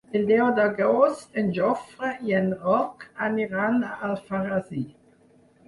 El deu d'agost en Jofre i en Roc aniran a Alfarrasí.